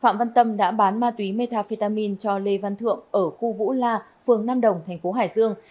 phạm văn tâm đã bán ma túy metafetamin cho lê văn thượng ở khu vũ la phường nam đồng thành phố hải dương